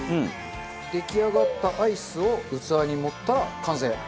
出来上がったアイスを器に盛ったら完成。